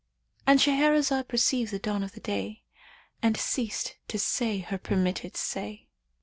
"—And Shahrazad perceived the dawn of day and ceased to say her permitted say.